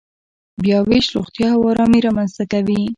بیاوېش روغتیا او ارامي رامنځته کوي.